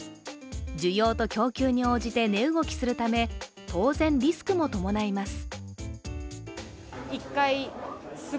需要と供給に応じて値動きするため当然、リスクも伴います。